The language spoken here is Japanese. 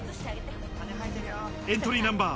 エントリーナンバー１３２。